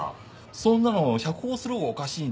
そんなの釈放するほうがおかしいんだって！